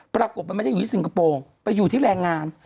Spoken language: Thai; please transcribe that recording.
ปรากฏมันไม่ได้อยู่ที่สิงคโปร์ไปอยู่ที่แรงงาน